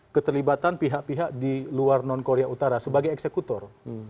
keterlibatan pihak pihak di luar non korea utara sebagai eksekutor